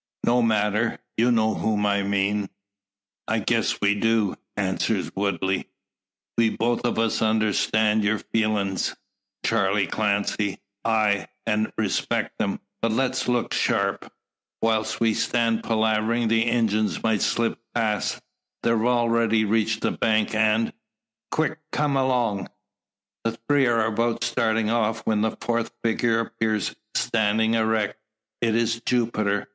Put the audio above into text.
No matter; you know whom I mean." "I guess we do," answers Woodley. "We both o' us understand your feelins, Charley Clancy; ay, an' respect 'em. But let's look sharp. Whilst we stan' palaverin the Injuns may slip past. They've arready reech'd the bank, an' Quick, kum along!" The three are about starting off, when a fourth figure appears standing erect. It is Jupiter.